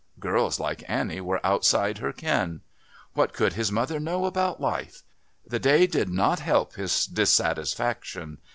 Girls like Annie were outside her ken. What could his mother know about life? The day did not help his dissatisfaction.